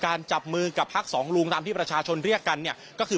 การจับมือกับพักสองรุงตามที่มีการพระชาชนเรียกกันก็คือ